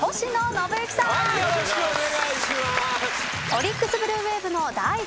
オリックス・ブルーウェーブの代打の切り札